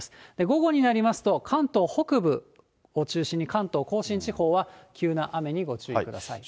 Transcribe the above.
午後になりますと、関東北部を中心に関東甲信地方は急な雨にご注意ください。